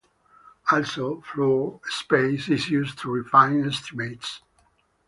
Also, floor space is used to refine estimates.